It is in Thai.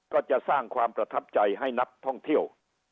ก็จะสร้างความประทับใจให้นักท่องเที่ยว